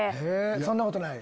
そんなことない？